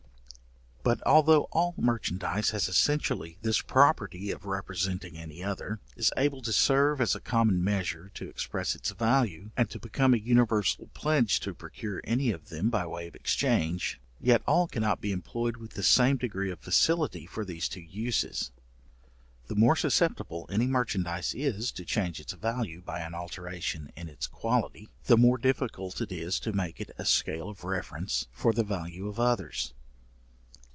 But although all merchandize has essentially this property of representing any other, is able to serve as a common measure, to express its value, and to become a universal pledge to procure any of them by way of exchange, yet all cannot be employed with the same degree of facility for these two uses. The more susceptible any merchandize is to change its value by an alteration in its quality, the more difficult it is to make it a scale of reference for the value of others.